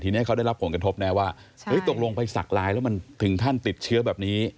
ทีนี้เขาได้รับผลกระทบนะว่าตกลงไปสักลายแล้วมันถึงขั้นติดเชื้อแบบนี้